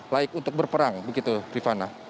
layak untuk berperang begitu rifana